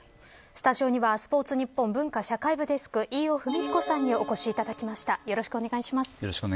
スタジオにはスポーツニッポン文化社会部デスク飯尾史彦さんにお越しいただきました。